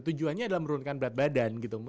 tujuannya adalah menurunkan berat badan gitu